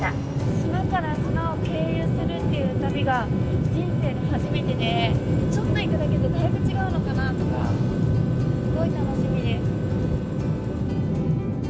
島から島を経由するっていう旅が人生で初めてでちょっと行くだけでだいぶ違うのかなとかすごい楽しみです。